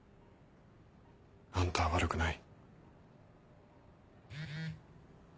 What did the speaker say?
あんたは悪くない。